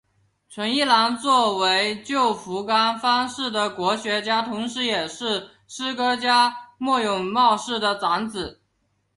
纯一郎作为旧福冈藩士的国学家同是也是诗歌家末永茂世的长子。